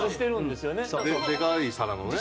でかい皿のね。